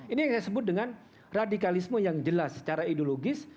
ini yang saya sebut dengan radikalisme yang jelas secara ideologis